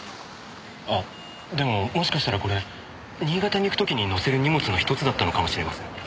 あでももしかしたらこれ新潟に行く時に載せる荷物のひとつだったのかもしれません。